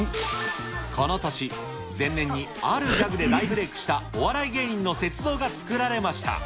この年、前年にあるギャグで大ブレークしたお笑い芸人の雪像が作られました。